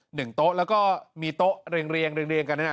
หนึ่งโต๊ะก็มีโต๊ะเรียงกัน